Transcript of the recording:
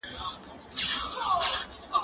کښېناستل د زده کوونکي له خوا کيږي؟!